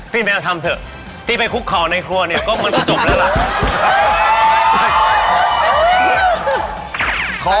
พี่แมวทำเถอะทีไปคุกเคาในครัวเนี้ยก็เมื่อก็จบแล้วแหละ